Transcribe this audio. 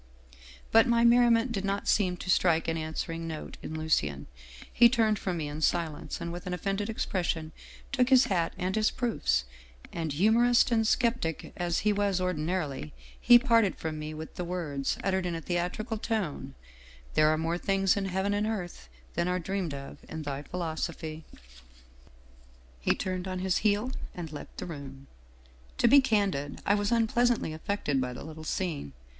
" But my merriment did not seem to strike an answering note in Lucien. He turned from me in silence, and with an offended expression took his hat and his proofs, and humorist and skeptic as he was ordinarily, he parted from me with the words, uttered in a theatrical tone: "' There are more things in heaven and earth than are dreamed of in thy philosophy/ 265 Scandinavian Mystery Stories " He turned on his heel and left the room. " To be candid, I was unpleasantly affected by the little scene.